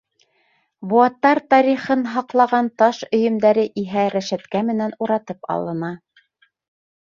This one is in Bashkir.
Быуаттар тарихын һаҡлаған таш өйөмдәре иһә рәшәткә менән уратып алына.